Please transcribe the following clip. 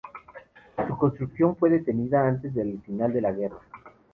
Su construcción fue detenida antes del final de la guerra.